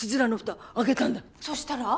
そしたら？